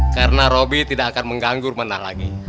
karena robby tidak akan mengganggu menang lagi